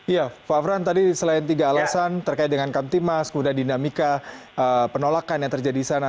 ya pak afran tadi selain tiga alasan terkait dengan kamtimas kemudian dinamika penolakan yang terjadi di sana